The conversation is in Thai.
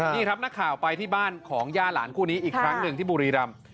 นี่ครับนักข่าวไปที่บ้านของย่าหลานคู่นี้อีกครั้งหนึ่งที่บุรีรำ